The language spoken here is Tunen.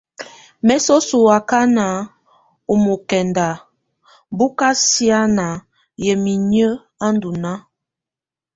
Mɛ soso ù wakana ɔ́ mɔkɛnda bù kà siana yamɛ̀á inyǝ́ à ndù nàà.